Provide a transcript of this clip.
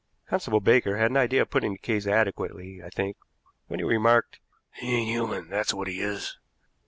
Constable Baker had an idea of putting the case adequately, I think, when he remarked: "He ain't human, that's what he is."